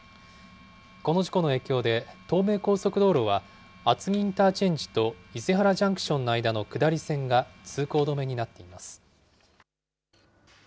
この事故の影響で、東名高速道路は、厚木インターチェンジと伊勢原ジャンクションの間の下り線が通行止めになっています。